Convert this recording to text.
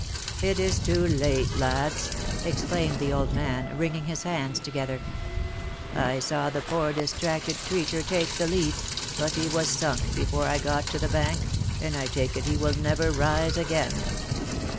1 ' It is too late, lads I" exclaimed the old man, wringing his hands together. " I saw the poor distracted creature take the leap, but he was sunk before I got to the bank, and I take it he will never rise again.